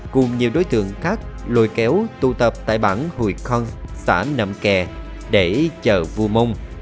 cùng nhiều đối tượng khác lôi kéo tu tập tại bảng hùi khon xã năm kè để chờ vua mông